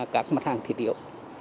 các mặt hàng thiệt hiệu